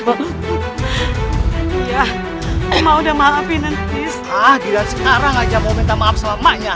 ah tidak sekarang aja mau minta maaf selamanya